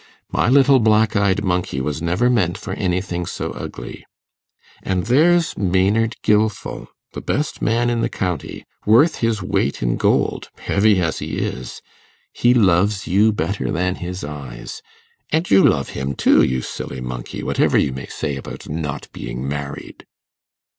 My little black eyed monkey was never meant for anything so ugly. And there's Maynard Gilfil the best man in the county, worth his weight in gold, heavy as he is; he loves you better than his eyes. And you love him too, you silly monkey, whatever you may say about not being married.